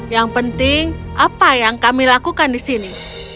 yang penting apa yang kami lakukan di sini